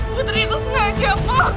putri itu sengaja pak